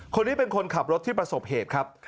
คนนี้เป็นคนขับรถที่ประสบเหตุครับ